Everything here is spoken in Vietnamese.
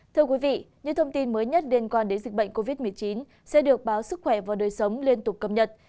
thưa quý vị những thông tin mới nhất liên quan đến dịch bệnh covid một mươi chín sẽ được báo sức khỏe và đời sống liên tục cập nhật